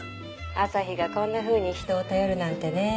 朝陽がこんなふうに人を頼るなんてね